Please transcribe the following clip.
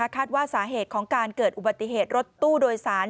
คาดว่าสาเหตุของการเกิดอุบัติเหตุรถตู้โดยสาร